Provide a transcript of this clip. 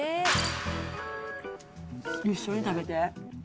一緒に食べて。